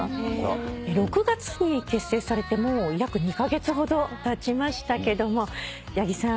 ６月に結成されてもう約２カ月ほどたちましたけども八木さん